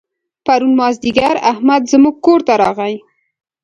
پرون مازدیګر احمد زموږ کور ته راغی.